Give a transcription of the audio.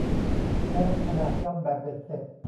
และขนาดย่อมแบบเบ็ดเสร็จ